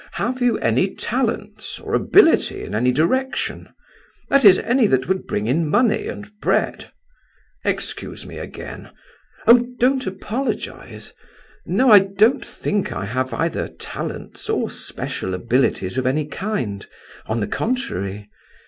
Have you any talents, or ability in any direction—that is, any that would bring in money and bread? Excuse me again—" "Oh, don't apologize. No, I don't think I have either talents or special abilities of any kind; on the contrary.